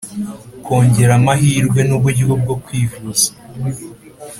kongera amahirwe n'uburyo bwo kwivuza: